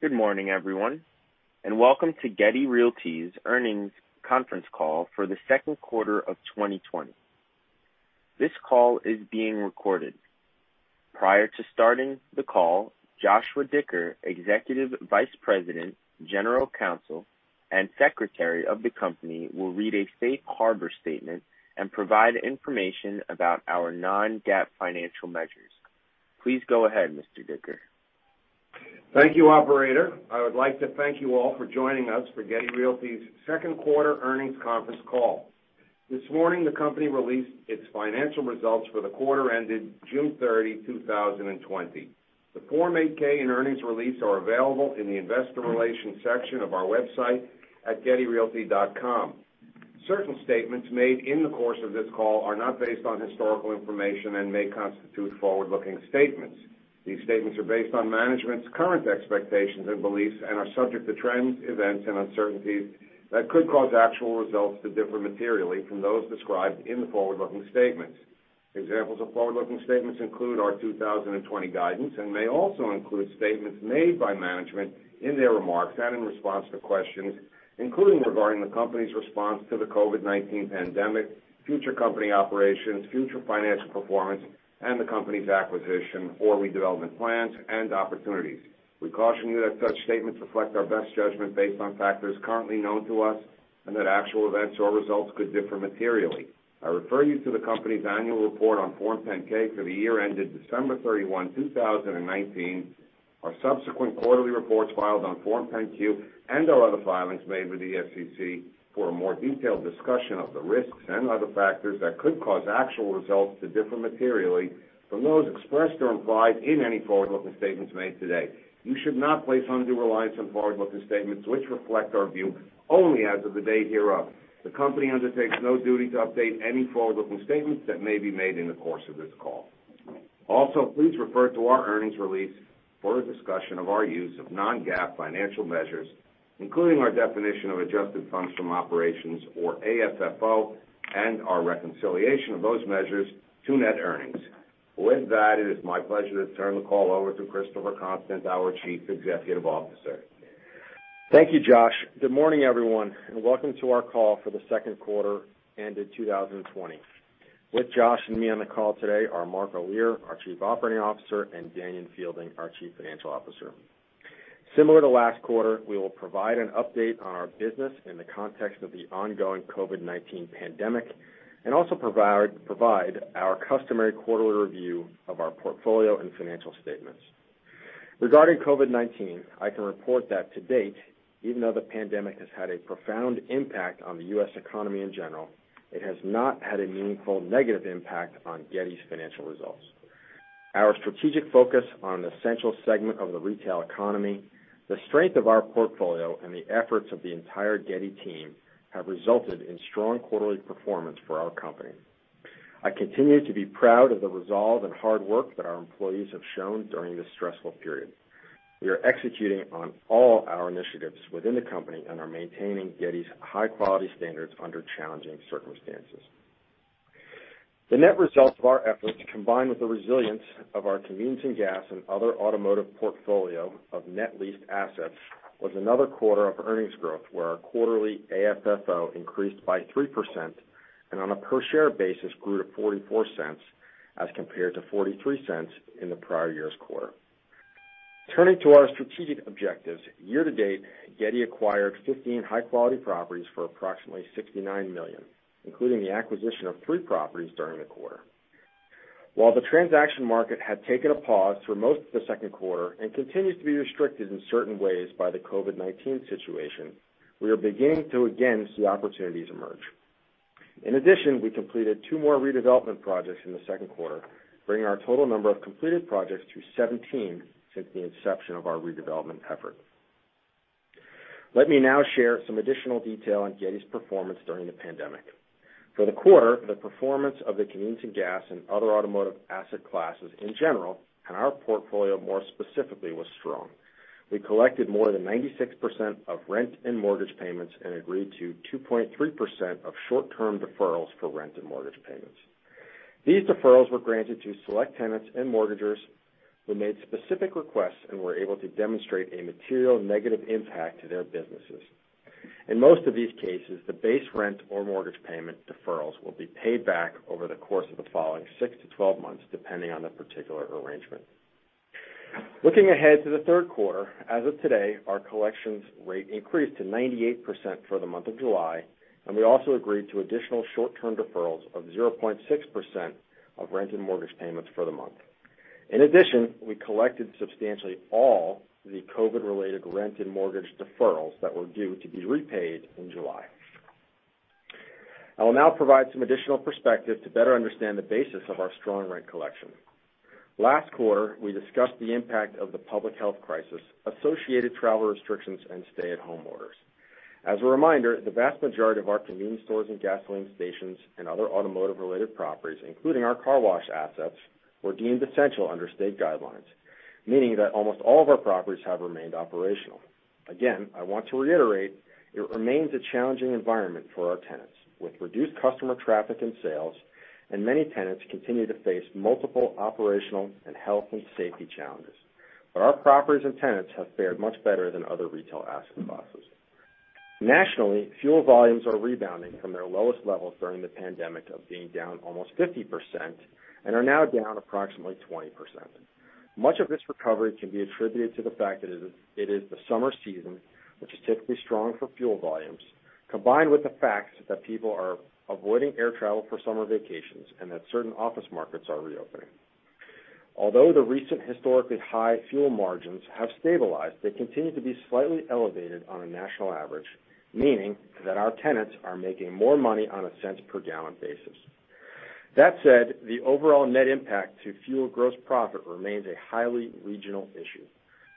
Good morning, everyone, and welcome to Getty Realty's earnings conference call for the second quarter of 2020. This call is being recorded. Prior to starting the call, Joshua Dicker, Executive Vice President, General Counsel, and Secretary of the company, will read a Safe Harbor Statement and provide information about our non-GAAP financial measures. Please go ahead, Mr. Dicker. Thank you, operator. I would like to thank you all for joining us for Getty Realty's second quarter earnings conference call. This morning, the company released its financial results for the quarter ended June 30, 2020. The Form 8-K and earnings release are available in the investor relations section of our website at gettyrealty.com. Certain statements made in the course of this call are not based on historical information and may constitute forward-looking statements. These statements are based on management's current expectations and beliefs and are subject to trends, events, and uncertainties that could cause actual results to differ materially from those described in the forward-looking statements. Examples of forward-looking statements include our 2020 guidance and may also include statements made by management in their remarks and in response to questions, including regarding the company's response to the COVID-19 pandemic, future company operations, future financial performance, and the company's acquisition or redevelopment plans and opportunities. We caution you that such statements reflect our best judgment based on factors currently known to us, and that actual events or results could differ materially. I refer you to the company's annual report on Form 10-K for the year ended December 31, 2019, our subsequent quarterly reports filed on Form 10-Q, and our other filings made with the SEC for a more detailed discussion of the risks and other factors that could cause actual results to differ materially from those expressed or implied in any forward-looking statements made today. You should not place undue reliance on forward-looking statements, which reflect our view only as of the date hereof. The company undertakes no duty to update any forward-looking statements that may be made in the course of this call. Also, please refer to our earnings release for a discussion of our use of non-GAAP financial measures, including our definition of adjusted funds from operations, or AFFO, and our reconciliation of those measures to net earnings. With that, it is my pleasure to turn the call over to Christopher Constant, our Chief Executive Officer. Thank you, Josh. Good morning, everyone, and welcome to our call for the second quarter ended 2020. With Josh and me on the call today are Mark Olear, our Chief Operating Officer, and Danion Fielding, our Chief Financial Officer. Similar to last quarter, we will provide an update on our business in the context of the ongoing COVID-19 pandemic and also provide our customary quarterly review of our portfolio and financial statements. Regarding COVID-19, I can report that to date, even though the pandemic has had a profound impact on the U.S. economy in general, it has not had a meaningful negative impact on Getty's financial results. Our strategic focus on the essential segment of the retail economy, the strength of our portfolio, and the efforts of the entire Getty team have resulted in strong quarterly performance for our company. I continue to be proud of the resolve and hard work that our employees have shown during this stressful period. We are executing on all our initiatives within the company and are maintaining Getty's high-quality standards under challenging circumstances. The net result of our efforts, combined with the resilience of our convenience and gas and other automotive portfolio of net leased assets, was another quarter of earnings growth where our quarterly AFFO increased by 3%, and on a per-share basis, grew to $0.44 as compared to $0.43 in the prior year's quarter. Turning to our strategic objectives, year-to-date, Getty acquired 15 high-quality properties for approximately $69 million, including the acquisition of three properties during the quarter. While the transaction market had taken a pause for most of the second quarter and continues to be restricted in certain ways by the COVID-19 situation, we are beginning to again see opportunities emerge. In addition, we completed two more redevelopment projects in the second quarter, bringing our total number of completed projects to 17 since the inception of our redevelopment effort. Let me now share some additional detail on Getty's performance during the pandemic. For the quarter, the performance of the convenience and gas and other automotive asset classes in general, and our portfolio more specifically, was strong. We collected more than 96% of rent and mortgage payments and agreed to 2.3% of short-term deferrals for rent and mortgage payments. These deferrals were granted to select tenants and mortgagors who made specific requests and were able to demonstrate a material negative impact to their businesses. In most of these cases, the base rent or mortgage payment deferrals will be paid back over the course of the following 6-12 months, depending on the particular arrangement. Looking ahead to the third quarter, as of today, our collections rate increased to 98% for the month of July, and we also agreed to additional short-term deferrals of 0.6% of rent and mortgage payments for the month. In addition, we collected substantially all the COVID-related rent and mortgage deferrals that were due to be repaid in July. I will now provide some additional perspective to better understand the basis of our strong rent collection. Last quarter, we discussed the impact of the public health crisis, associated travel restrictions, and stay-at-home orders. As a reminder, the vast majority of our convenience stores and gasoline stations and other automotive-related properties, including our car wash assets, were deemed essential under state guidelines, meaning that almost all of our properties have remained operational. Again, I want to reiterate, it remains a challenging environment for our tenants, with reduced customer traffic and sales, and many tenants continue to face multiple operational and health and safety challenges. Our properties and tenants have fared much better than other retail asset classes. Nationally, fuel volumes are rebounding from their lowest levels during the pandemic of being down almost 50% and are now down approximately 20%. Much of this recovery can be attributed to the fact that it is the summer season, which is typically strong for fuel volumes, combined with the fact that people are avoiding air travel for summer vacations and that certain office markets are reopening. Although the recent historically high fuel margins have stabilized, they continue to be slightly elevated on a national average, meaning that our tenants are making more money on a cents per gallon basis. That said, the overall net impact to fuel gross profit remains a highly regional issue,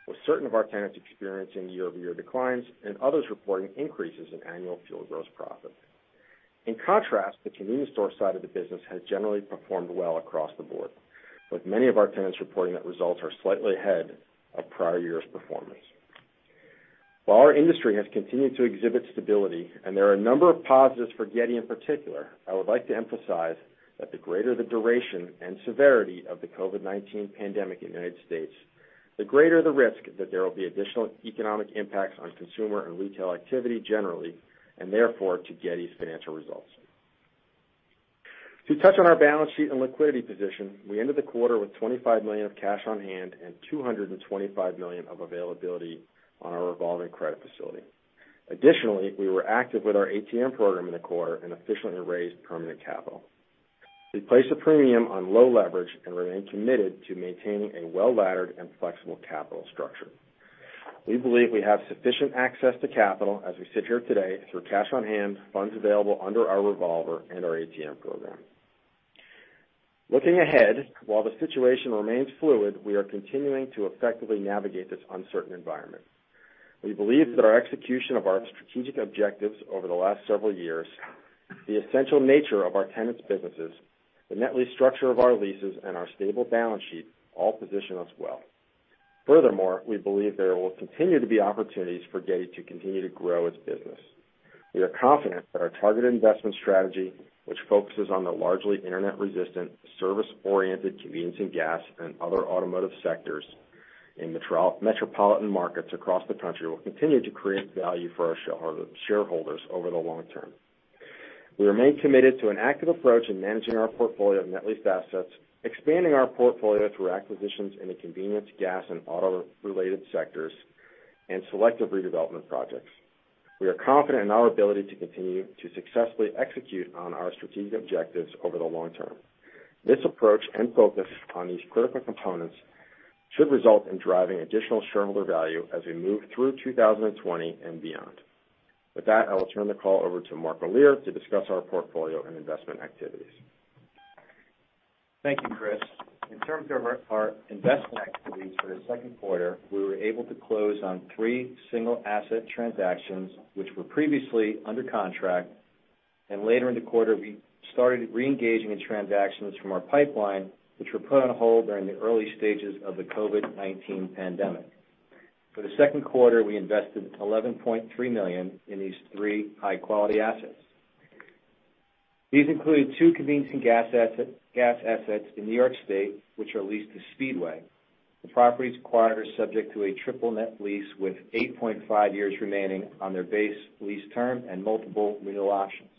with certain of our tenants experiencing year-over-year declines and others reporting increases in annual fuel gross profit. In contrast, the convenience store side of the business has generally performed well across the board, with many of our tenants reporting that results are slightly ahead of prior year's performance. While our industry has continued to exhibit stability, and there are a number of positives for Getty in particular, I would like to emphasize that the greater the duration and severity of the COVID-19 pandemic in the United States, the greater the risk that there will be additional economic impacts on consumer and retail activity generally, and therefore, to Getty's financial results. To touch on our balance sheet and liquidity position, we ended the quarter with $25 million of cash on hand and $225 million of availability on our revolving credit facility. Additionally, we were active with our ATM program in the quarter and efficiently raised permanent capital. We place a premium on low leverage and remain committed to maintaining a well-laddered and flexible capital structure. We believe we have sufficient access to capital as we sit here today through cash on hand, funds available under our revolver and our ATM program. Looking ahead, while the situation remains fluid, we are continuing to effectively navigate this uncertain environment. We believe that our execution of our strategic objectives over the last several years, the essential nature of our tenants' businesses, the net lease structure of our leases, and our stable balance sheet all position us well. Furthermore, we believe there will continue to be opportunities for Getty to continue to grow its business. We are confident that our targeted investment strategy, which focuses on the largely internet-resistant, service-oriented convenience and gas and other automotive sectors in metropolitan markets across the country, will continue to create value for our shareholders over the long term. We remain committed to an active approach in managing our portfolio of net lease assets, expanding our portfolio through acquisitions in the convenience, gas, and auto-related sectors, and selective redevelopment projects. We are confident in our ability to continue to successfully execute on our strategic objectives over the long term. This approach and focus on these critical components should result in driving additional shareholder value as we move through 2020 and beyond. With that, I will turn the call over to Mark Olear to discuss our portfolio and investment activities. Thank you, Chris. In terms of our investment activities for the second quarter, we were able to close on three single asset transactions which were previously under contract. Later in the quarter, we started re-engaging in transactions from our pipeline, which were put on hold during the early stages of the COVID-19 pandemic. For the second quarter, we invested $11.3 million in these three high-quality assets. These include two convenience and gas assets in New York State, which are leased to Speedway. The properties acquired are subject to a triple net lease with 8.5 years remaining on their base lease term and multiple renewal options.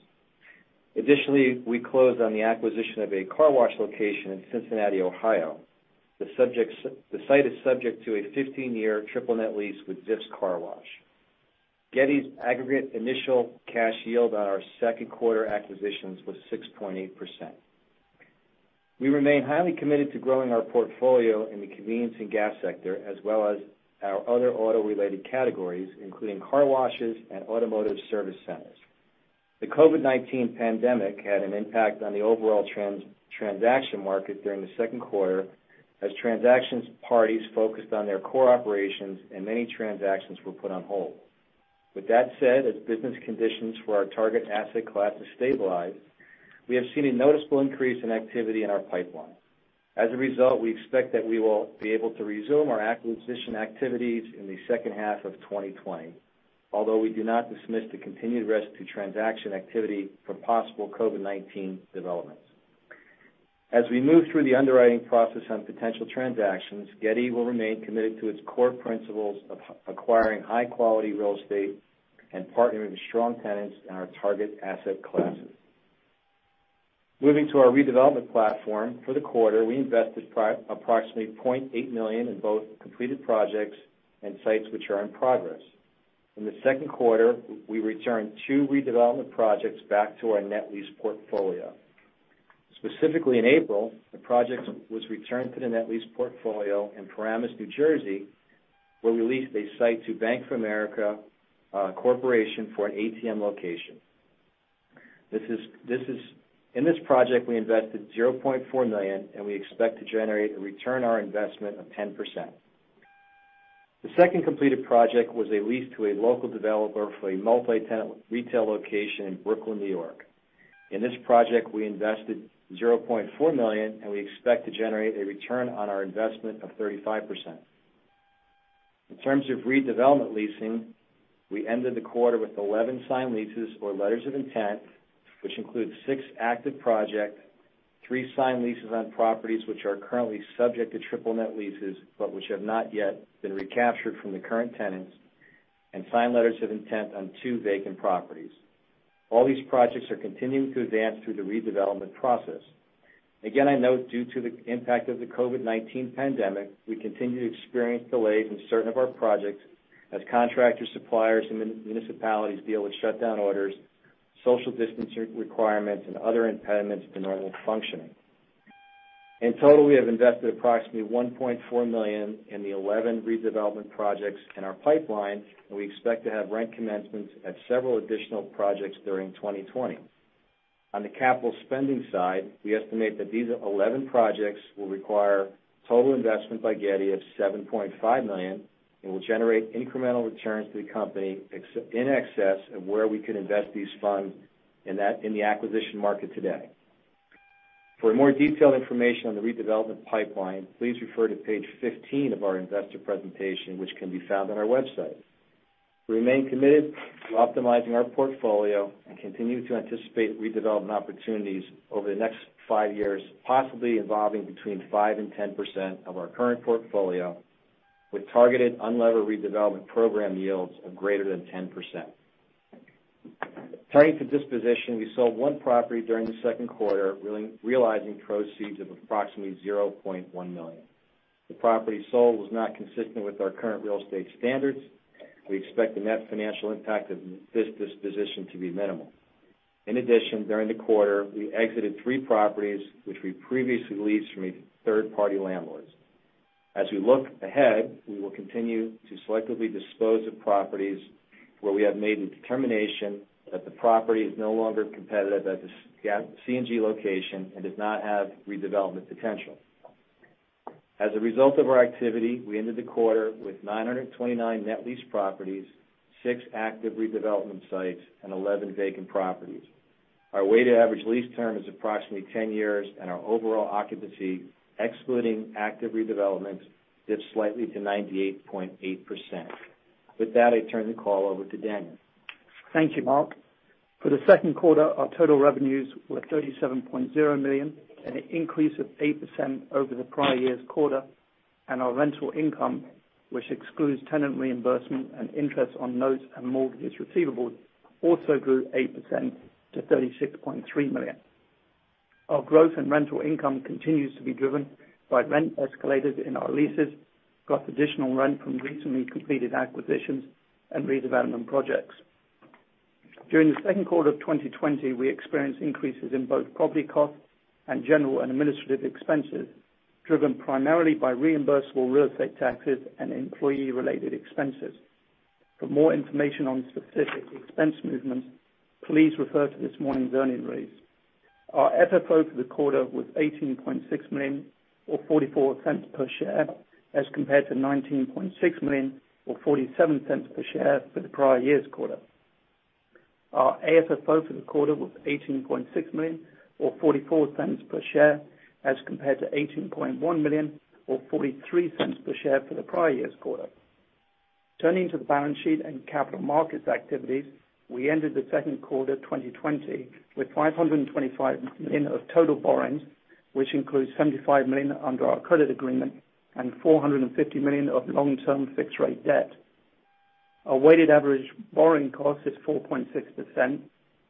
Additionally, we closed on the acquisition of a car wash location in Cincinnati, Ohio. The site is subject to a 15-year triple net lease with Zips Car Wash. Getty's aggregate initial cash yield on our second quarter acquisitions was 6.8%. We remain highly committed to growing our portfolio in the convenience and gas sector, as well as our other auto-related categories, including car washes and automotive service centers. The COVID-19 pandemic had an impact on the overall transaction market during the second quarter as transactions parties focused on their core operations and many transactions were put on hold. With that said, as business conditions for our target asset class have stabilized, we have seen a noticeable increase in activity in our pipeline. As a result, we expect that we will be able to resume our acquisition activities in the second half of 2020, although we do not dismiss the continued risk to transaction activity from possible COVID-19 developments. As we move through the underwriting process on potential transactions, Getty will remain committed to its core principles of acquiring high-quality real estate and partnering with strong tenants in our target asset classes. Moving to our redevelopment platform. For the quarter, we invested approximately $0.8 million in both completed projects and sites which are in progress. In the second quarter, we returned two redevelopment projects back to our net lease portfolio. Specifically in April, the project was returned to the net lease portfolio in Paramus, New Jersey, where we leased a site to Bank of America Corporation for an ATM location. In this project, we invested $0.4 million, and we expect to generate a return on our investment of 10%. The second completed project was a lease to a local developer for a multi-tenant retail location in Brooklyn, N.Y. In this project, we invested $0.4 million, and we expect to generate a return on our investment of 35%. In terms of redevelopment leasing, we ended the quarter with 11 signed leases or letters of intent, which includes six active projects, three signed leases on properties which are currently subject to triple net leases, but which have not yet been recaptured from the current tenants, and signed letters of intent on two vacant properties. All these projects are continuing to advance through the redevelopment process. Again, I note, due to the impact of the COVID-19 pandemic, we continue to experience delays in certain of our projects as contractors, suppliers, and municipalities deal with shutdown orders, social distancing requirements, and other impediments to normal functioning. In total, we have invested approximately $1.4 million in the 11 redevelopment projects in our pipeline, and we expect to have rent commencements at several additional projects during 2020. On the capital spending side, we estimate that these 11 projects will require total investment by Getty of $7.5 million and will generate incremental returns to the company in excess of where we could invest these funds in the acquisition market today. For more detailed information on the redevelopment pipeline, please refer to page 15 of our investor presentation, which can be found on our website. We remain committed to optimizing our portfolio and continue to anticipate redevelopment opportunities over the next five years, possibly involving between 5% and 10% of our current portfolio, with targeted unlevered redevelopment program yields of greater than 10%. Turning to disposition, we sold one property during the second quarter, realizing proceeds of approximately $0.1 million. The property sold was not consistent with our current real estate standards. We expect the net financial impact of this disposition to be minimal. In addition, during the quarter, we exited three properties which we previously leased from a third-party landlord. As we look ahead, we will continue to selectively dispose of properties where we have made a determination that the property is no longer competitive at the C&G location and does not have redevelopment potential. As a result of our activity, we ended the quarter with 929 net leased properties, six active redevelopment sites, and 11 vacant properties. Our weighted average lease term is approximately 10 years, and our overall occupancy, excluding active redevelopments, dipped slightly to 98.8%. With that, I turn the call over to Danion. Thank you, Mark. For the second quarter, our total revenues were $37.0 million, an increase of 8% over the prior year's quarter, and our rental income, which excludes tenant reimbursement and interest on notes and mortgages receivables, also grew 8% to $36.3 million. Our growth in rental income continues to be driven by rent escalators in our leases, plus additional rent from recently completed acquisitions and redevelopment projects. During the second quarter of 2020, we experienced increases in both property costs and general and administrative expenses, driven primarily by reimbursable real estate taxes and employee-related expenses. For more information on specific expense movements, please refer to this morning's earnings release. Our FFO for the quarter was $18.6 million, or $0.44 per share, as compared to $19.6 million or $0.47 per share for the prior year's quarter. Our AFFO for the quarter was $18.6 million or $0.44 per share as compared to $18.1 million or $0.43 per share for the prior year's quarter. Turning to the balance sheet and capital markets activities, we ended the second quarter 2020 with $525 million of total borrowings, which includes $75 million under our credit agreement and $450 million of long-term fixed-rate debt. Our weighted average borrowing cost is 4.6%.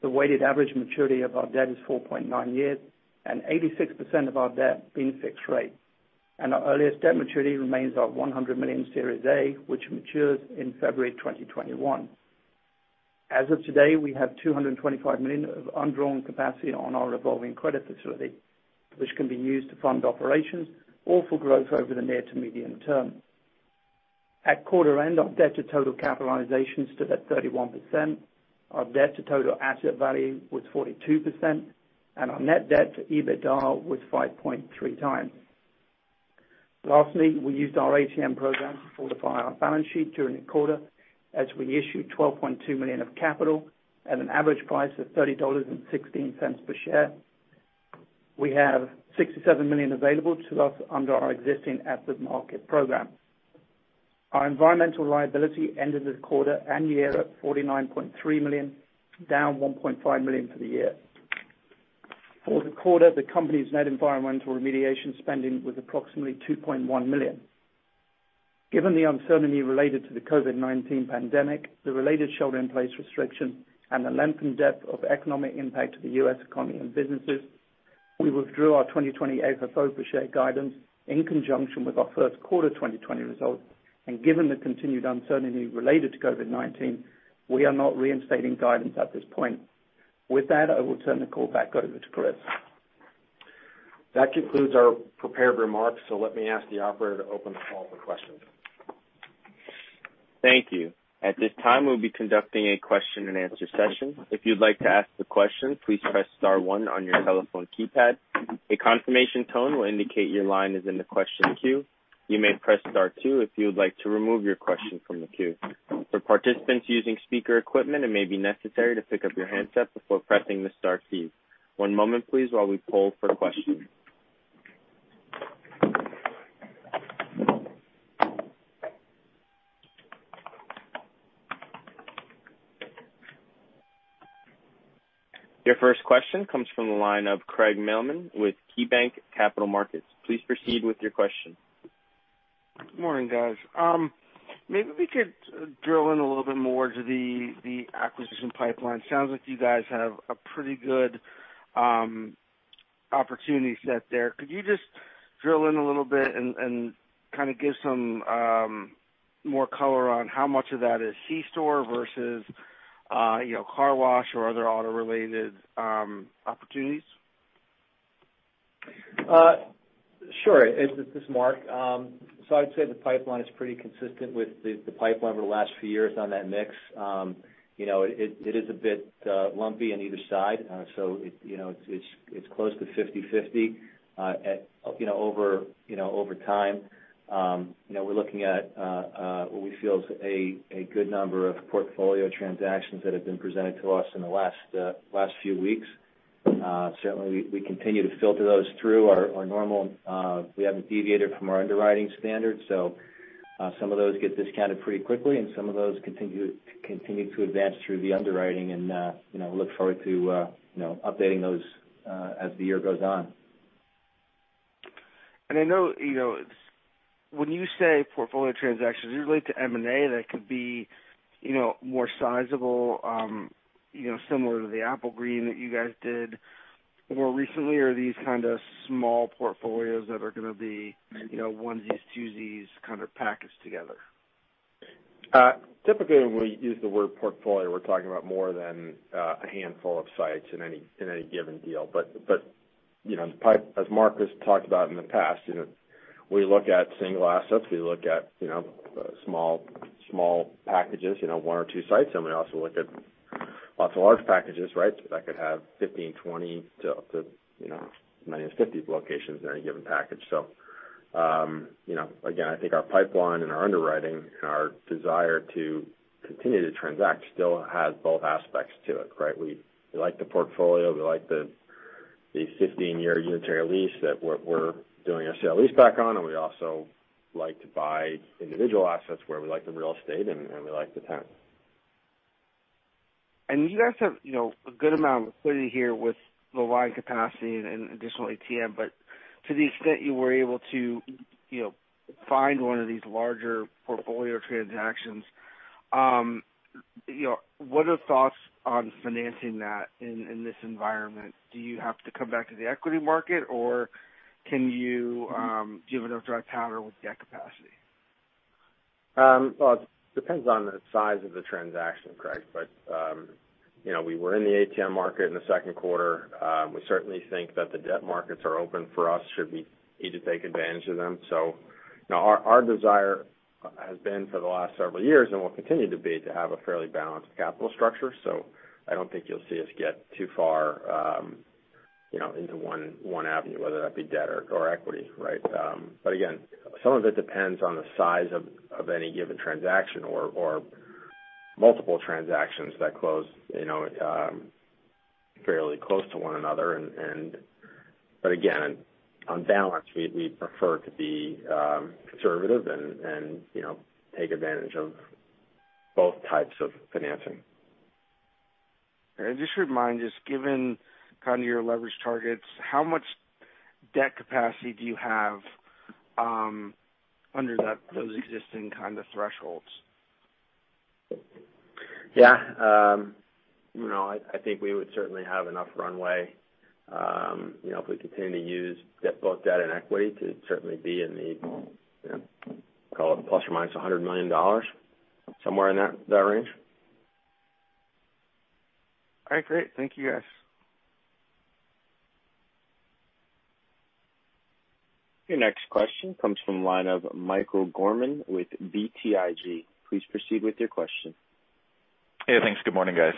The weighted average maturity of our debt is 4.9 years, 86% of our debt being fixed rate. Our earliest debt maturity remains our $100 million Series A, which matures in February 2021. As of today, we have $225 million of undrawn capacity on our revolving credit facility, which can be used to fund operations or for growth over the near to medium term. At quarter end, our debt to total capitalization stood at 31%, our debt to total asset value was 42%, and our net debt to EBITDA was 5.3x. Lastly, we used our ATM program to fortify our balance sheet during the quarter as we issued $12.2 million of capital at an average price of $30.16 per share. We have $67 million available to us under our existing at-the-market program. Our environmental liability ended the quarter and year at $49.3 million, down $1.5 million for the year. For the quarter, the company's net environmental remediation spending was approximately $2.1 million. Given the uncertainty related to the COVID-19 pandemic, the related shelter-in-place restrictions, and the length and depth of economic impact to the U.S. economy and businesses, we withdrew our 2020 FFO per share guidance in conjunction with our first quarter 2020 results, and given the continued uncertainty related to COVID-19, we are not reinstating guidance at this point. With that, I will turn the call back over to Chris. That concludes our prepared remarks. Let me ask the operator to open the call for questions. Thank you. At this time, we'll be conducting a question-and-answer session. If you'd like to ask a question, please press star one on your telephone keypad. A confirmation tone will indicate your line is in the question queue. You may press star two if you would like to remove your question from the queue. For participants using speaker equipment, it may be necessary to pick up your handset before pressing the star key. One moment please, while we poll for questions. Your first question comes from the line of Craig Mailman with KeyBanc Capital Markets. Please proceed with your question. Good morning, guys. Maybe we could drill in a little bit more to the acquisition pipeline. Sounds like you guys have a pretty good opportunity set there. Could you just drill in a little bit and kind of give some more color on how much of that is C-store versus car wash or other auto related opportunities? Sure. This is Mark. I'd say the pipeline is pretty consistent with the pipeline over the last few years on that mix. It is a bit lumpy on either side. It's close to 50/50 over time. We're looking at what we feel is a good number of portfolio transactions that have been presented to us in the last few weeks. Certainly, we continue to filter those through our [normal]. We haven't deviated from our underwriting standards. Some of those get discounted pretty quickly. Some of those continue to advance through the underwriting. Look forward to updating those as the year goes on. I know, when you say portfolio transactions, you relate to M&A that could be more sizable, similar to the Applegreen that you guys did more recently. Or are these kind of small portfolios that are gonna be onesies, twosies kind of packaged together? Typically, when we use the word portfolio, we're talking about more than a handful of sites in any given deal. As Mark has talked about in the past, we look at single assets. We look at small packages, one or two sites. We also look at lots of large packages. That could have 15, 20 to up to as many as 50 locations in any given package. Again, I think our pipeline and our underwriting and our desire to continue to transact still has both aspects to it, right? We like the portfolio. We like the 15-year unitary lease that we're doing a sale leaseback on. We also like to buy individual assets where we like the real estate and we like the tenant. You guys have a good amount of liquidity here with the line capacity and additional ATM. To the extent you were able to find one of these larger portfolio transactions, what are the thoughts on financing that in this environment? Do you have to come back to the equity market, or do you have enough dry powder with debt capacity? Well, it depends on the size of the transaction, Craig. We were in the ATM market in the second quarter. We certainly think that the debt markets are open for us should we need to take advantage of them. Our desire has been for the last several years, and will continue to be, to have a fairly balanced capital structure. I don't think you'll see us get too far into one avenue, whether that be debt or equity, right? Again, some of it depends on the size of any given transaction or multiple transactions that close fairly close to one another. Again, on balance, we prefer to be conservative and take advantage of both types of financing. Just remind us, given your leverage targets, how much debt capacity do you have under those existing kind of thresholds? Yeah. I think we would certainly have enough runway, if we continue to use both debt and equity, to certainly be in the, call it ±$100 million, somewhere in that range. All right, great. Thank you, guys. Your next question comes from the line of Michael Gorman with BTIG. Please proceed with your question. Hey, thanks. Good morning, guys.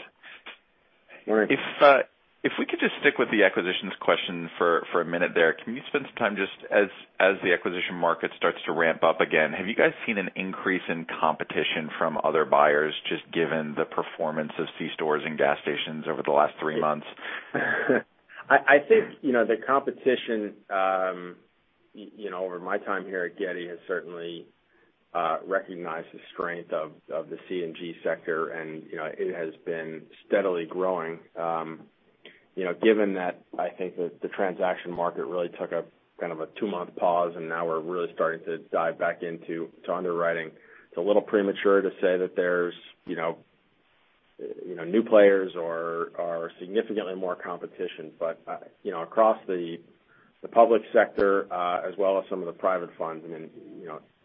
Morning. If we could just stick with the acquisitions question for a minute there. Can you spend some time just as the acquisition market starts to ramp up again, have you guys seen an increase in competition from other buyers, just given the performance of C-stores and gas stations over the last three months? I think, the competition, over my time here at Getty, has certainly recognized the strength of the C&G sector, and it has been steadily growing. Given that I think that the transaction market really took a kind of a two-month pause, and now we're really starting to dive back into underwriting. It's a little premature to say that there's new players or significantly more competition, but across the public sector as well as some of the private funds,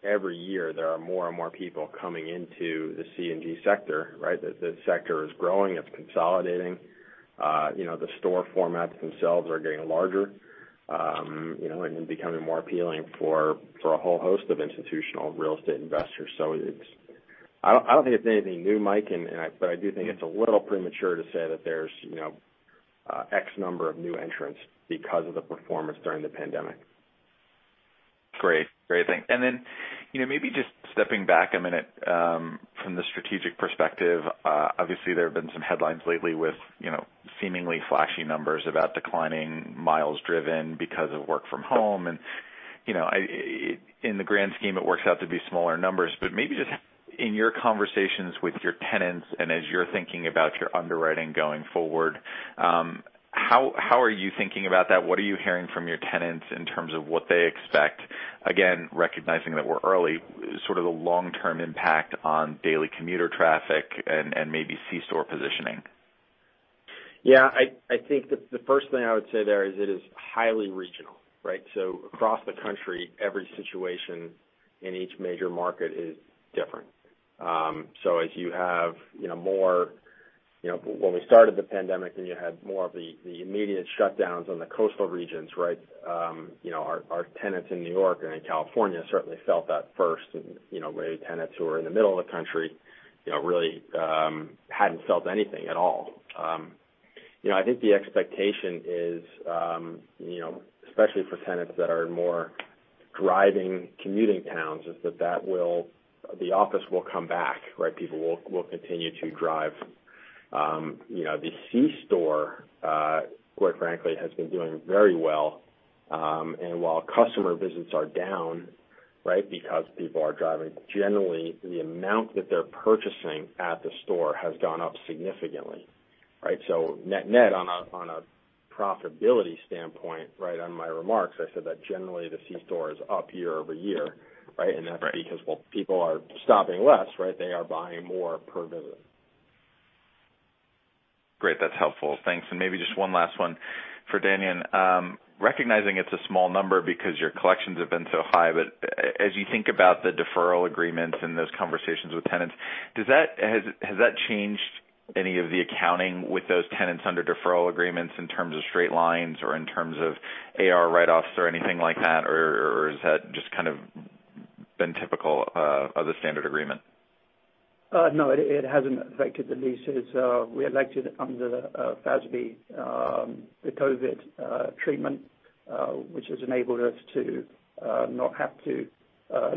every year there are more and more people coming into the C&G sector, right? The sector is growing, it's consolidating. The store formats themselves are getting larger, and becoming more appealing for a whole host of institutional real estate investors. I don't think it's anything new, Mike, but I do think it's a little premature to say that there's X number of new entrants because of the performance during the pandemic. Great. Thanks. Then maybe just stepping back a minute from the strategic perspective, obviously there have been some headlines lately with seemingly flashy numbers about declining miles driven because of work from home. In the grand scheme, it works out to be smaller numbers. Maybe just in your conversations with your tenants and as you're thinking about your underwriting going forward, how are you thinking about that? What are you hearing from your tenants in terms of what they expect? Again, recognizing that we're early, sort of the long-term impact on daily commuter traffic and maybe C-store positioning. Yeah. I think the first thing I would say there is it is highly regional, right? Across the country, every situation in each major market is different. When we started the pandemic, you had more of the immediate shutdowns on the coastal regions, right? Our tenants in New York and in California certainly felt that first. Many tenants who were in the middle of the country really hadn't felt anything at all. I think the expectation is, especially for tenants that are in more driving, commuting towns, is that the office will come back, right? People will continue to drive. The C-store, quite frankly, has been doing very well. While customer visits are down, right, because people are driving, generally the amount that they're purchasing at the store has gone up significantly, right? Net on a profitability standpoint, right, on my remarks, I said that generally the C-store is up year-over-year, right? Right. That's because while people are stopping less, right, they are buying more per visit. Great. That's helpful. Thanks. Maybe just one last one for Danion. Recognizing it's a small number because your collections have been so high, but as you think about the deferral agreements and those conversations with tenants, has that changed any of the accounting with those tenants under deferral agreements in terms of straight lines or in terms of AR write-offs or anything like that? Has that just kind of been typical of the standard agreement? It hasn't affected the leases. We elected under FASB, the COVID treatment, which has enabled us to not have to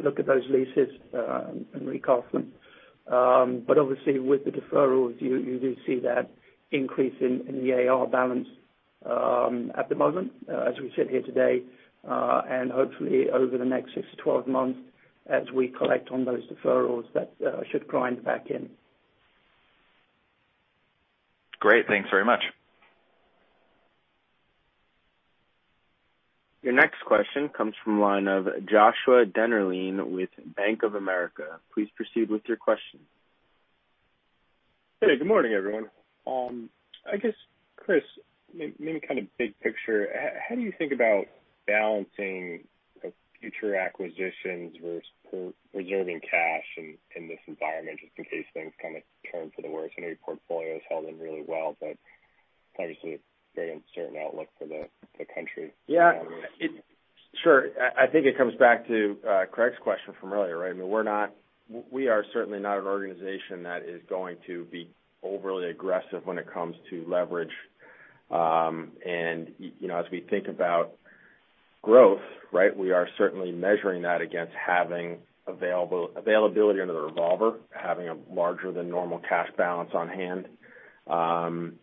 look at those leases and recast them. Obviously with the deferrals, you do see that increase in the AR balance at the moment as we sit here today. Hopefully over the next six to 12 months, as we collect on those deferrals, that should grind back in. Great. Thanks very much. Your next question comes from the line of Joshua Dennerlein with Bank of America. Please proceed with your question. Hey, good morning, everyone. I guess, Chris, maybe kind of big picture, how do you think about balancing future acquisitions versus reserving cash in this environment, just in case things kind of turn for the worse? I know your portfolio's held in really well, but obviously a very uncertain outlook for the country. Yeah. Sure. I think it comes back to Craig's question from earlier, right? We are certainly not an organization that is going to be overly aggressive when it comes to leverage. As we think about growth, right, we are certainly measuring that against having availability under the revolver, having a larger than normal cash balance on hand. We'll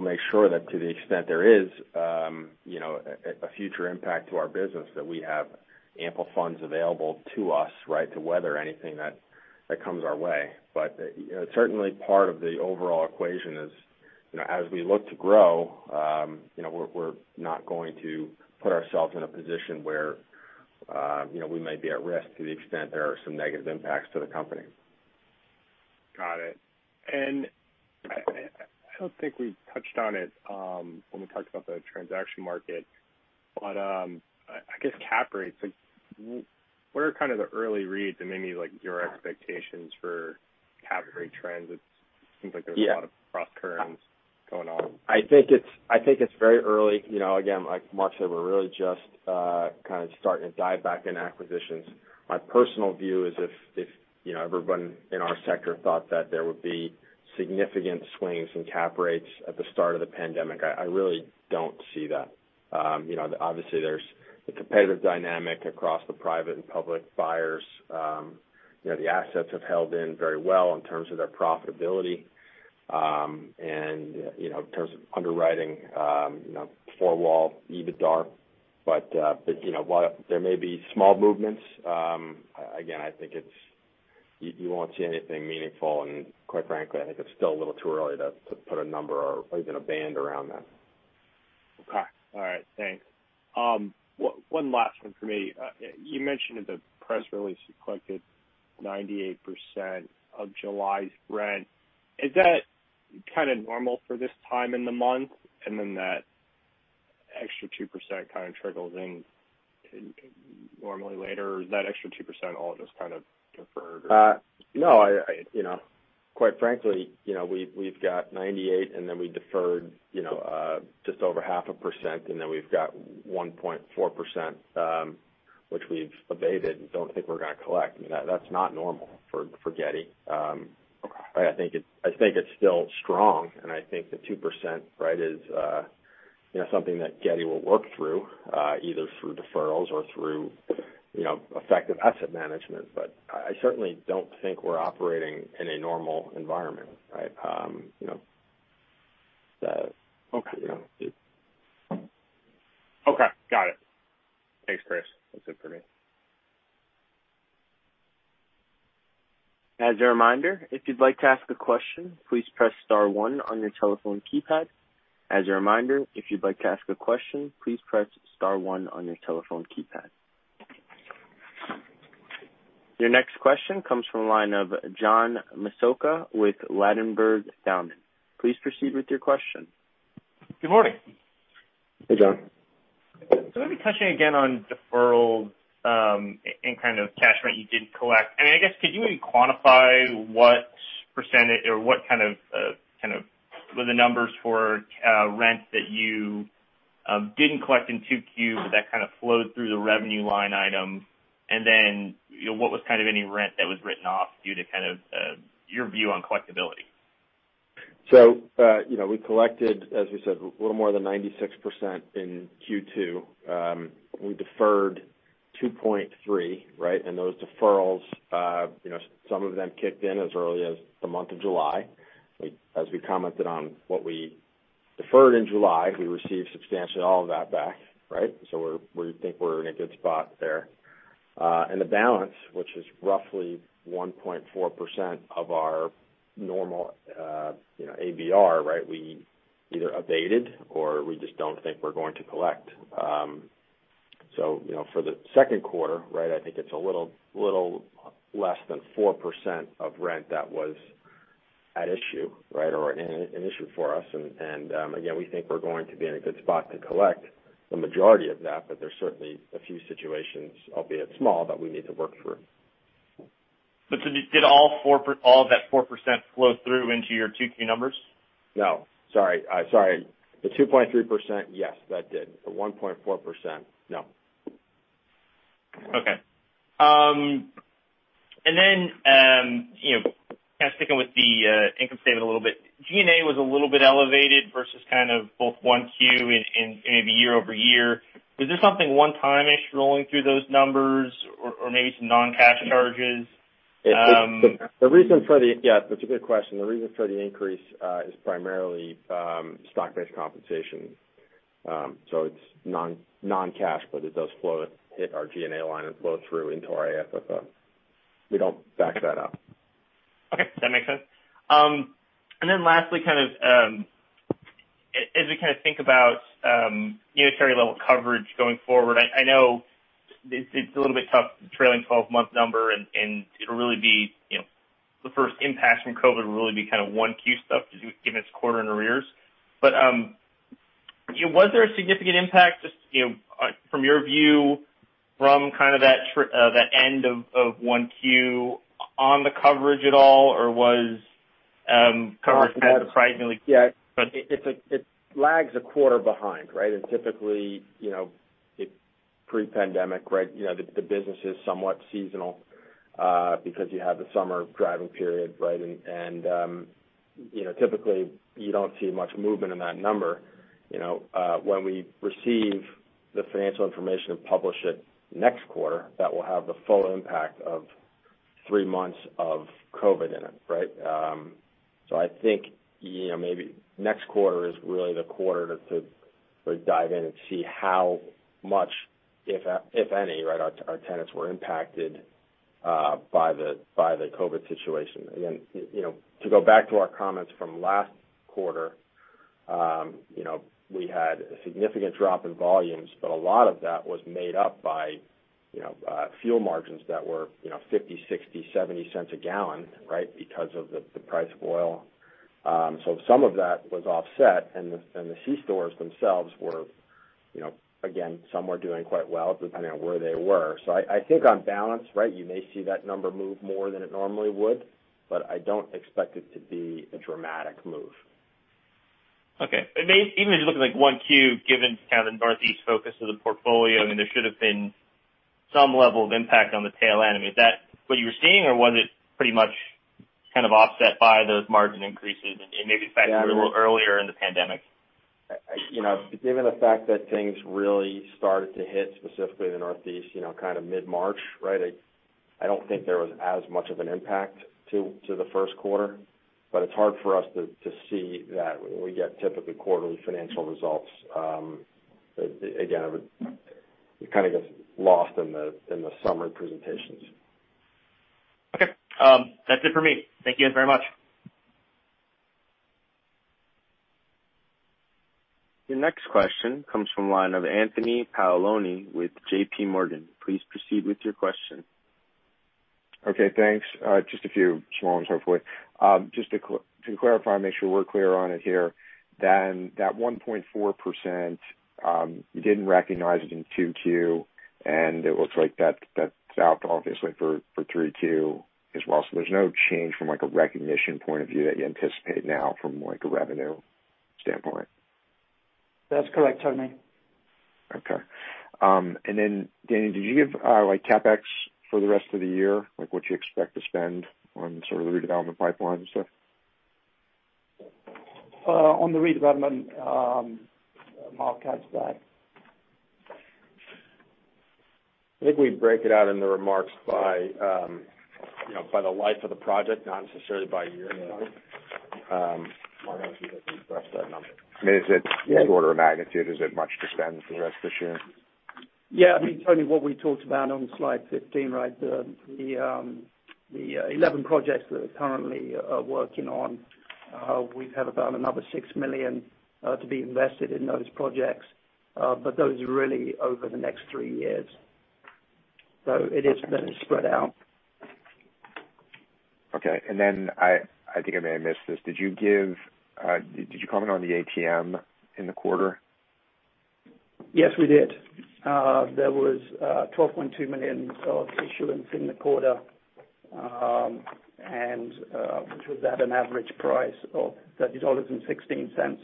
make sure that to the extent there is a future impact to our business, that we have ample funds available to us, right, to weather anything that comes our way. Certainly, part of the overall equation is as we look to grow, we're not going to put ourselves in a position where we may be at risk to the extent there are some negative impacts to the company. Got it. I don't think we touched on it when we talked about the transaction market, but I guess cap rates. What are kind of the early reads and maybe your expectations for cap rate trends? It seems like there's- Yeah. A lot of crosscurrents going on. I think it's very early. Again, like Mark said, we're really just kind of starting to dive back into acquisitions. My personal view is if everyone in our sector thought that there would be significant swings in cap rates at the start of the pandemic, I really don't see that. Obviously, there's the competitive dynamic across the private and public buyers. The assets have held in very well in terms of their profitability. And in terms of underwriting, four-wall EBITDA. But there may be small movements. Again, I think you won't see anything meaningful, and quite frankly, I think it's still a little too early to put a number or even a band around that. Okay. All right. Thanks. One last one for me. You mentioned in the press release you collected 98% of July's rent. Is that kind of normal for this time in the month, and then that extra 2% kind of trickles in normally later? Or is that extra 2% all just kind of deferred? No. Quite frankly, we've got 98% and then we deferred just over 0.5%, and then we've got 1.4%, which we've abated and don't think we're going to collect. That's not normal for Getty. I think it's still strong, and I think the 2% is something that Getty will work through, either through deferrals or through effective asset management. I certainly don't think we're operating in a normal environment. Right? Okay. Got it. Thanks, Chris. That's it for me. As a reminder, if you'd like to ask a question, please press star one on your telephone keypad. As a reminder, if you'd like to ask a question, please press star one on your telephone keypad. Your next question comes from the line of John Massocca with Ladenburg Thalmann. Please proceed with your question. Good morning. Hey, John. Maybe touching again on deferrals and kind of cash rent you didn't collect, I guess could you even quantify what percentage or what kind of were the numbers for rent that you didn't collect in 2Q, but that kind of flowed through the revenue line item? What was kind of any rent that was written off due to kind of your view on collectability? We collected, as we said, a little more than 96% in Q2. We deferred 2.3%, right? Those deferrals some of them kicked in as early as the month of July. As we commented on what we deferred in July, we received substantially all of that back, right? We think we're in a good spot there. The balance, which is roughly 1.4% of our normal ABR, we either abated or we just don't think we're going to collect. For the second quarter, I think it's a little less than 4% of rent that was at issue, or an issue for us. Again, we think we're going to be in a good spot to collect the majority of that, but there's certainly a few situations, albeit small, that we need to work through. Did all of that 4% flow through into your 2Q numbers? No. Sorry. The 2.3%, yes, that did. The 1.4%, no. Okay. kind of sticking with the income statement a little bit, G&A was a little bit elevated versus kind of both 1Q and maybe year-over-year. Was there something one-time-ish rolling through those numbers or maybe some non-cash charges? Yeah, that's a good question. The reason for the increase is primarily stock-based compensation. It's non-cash, but it does hit our G&A line and flow through into our AFFO. We don't back that up. Okay. That makes sense. Lastly, as we kind of think about unitary level coverage going forward, I know it's a little bit tough trailing 12-month number, the first impact from COVID-19 will really be kind of 1Q stuff given it's quarter in arrears. Was there a significant impact just from your view from kind of that end of 1Q on the coverage at all? Or was coverage kind of surprisingly good? Yeah. It lags a quarter behind, right? Typically, pre-pandemic the business is somewhat seasonal because you have the summer driving period. Typically, you don't see much movement in that number. When we receive the financial information and publish it next quarter, that will have the full impact of three months of COVID in it, right? I think maybe next quarter is really the quarter to sort of dive in and see how much, if any, our tenants were impacted by the COVID situation. Again, to go back to our comments from last quarter, we had a significant drop in volumes, a lot of that was made up by fuel margins that were $0.50, $0.60, $0.70 a gallon because of the price of oil. Some of that was offset, and the C-stores themselves were, again, some were doing quite well, depending on where they were. I think on balance, you may see that number move more than it normally would, but I don't expect it to be a dramatic move. Okay. Even just looking at 1Q, given kind of the Northeast focus of the portfolio, I mean, there should have been some level of impact on the tail end. I mean, is that what you were seeing or was it pretty much kind of offset by those margin increases and maybe the fact that we were a little earlier in the pandemic? Given the fact that things really started to hit specifically the Northeast kind of mid-March, I don't think there was as much of an impact to the first quarter. It's hard for us to see that when we get typically quarterly financial results. Again, it kind of gets lost in the summary presentations. Okay. That's it for me. Thank you guys very much. Your next question comes from the line of Anthony Paolone with JPMorgan. Please proceed with your question. Okay, thanks. Just a few small ones, hopefully. Just to clarify and make sure we're clear on it here, that 1.4%, you didn't recognize it in 2Q, and it looks like that's out obviously for 3Q as well. There's no change from, like, a recognition point of view that you anticipate now from, like, a revenue standpoint? That's correct, Tony. Okay. Then Danny, did you give CapEx for the rest of the year? Like what you expect to spend on sort of the redevelopment pipeline and stuff? On the redevelopment, Mark has that. I think we break it out in the remarks by the life of the project, not necessarily by year. Mark, I'll let you address that number. Is it the order of magnitude? Is it much to spend for the rest of this year? Yeah. I mean, Tony, what we talked about on slide 15, right? The 11 projects that are currently working on, we have about another $6 million to be invested in those projects. Those are really over the next three years. It is a bit spread out. Okay. I think I may have missed this. Did you comment on the ATM in the quarter? Yes, we did. There was $12.2 million of issuance in the quarter, and which was at an average price of $30.16.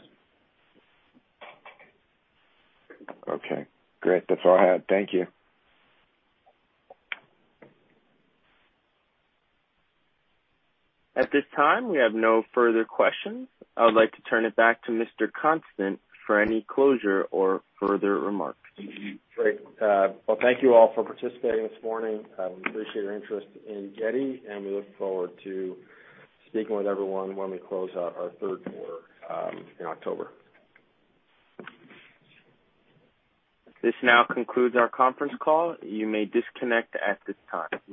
Okay, great. That's all I had. Thank you. At this time, we have no further questions. I would like to turn it back to Mr. Constant for any closure or further remarks. Great. Well, thank you all for participating this morning. We appreciate your interest in Getty, and we look forward to speaking with everyone when we close out our third quarter in October. This now concludes our conference call. You may disconnect at this time.